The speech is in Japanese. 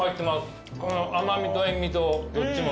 この甘味と塩味とどっちも。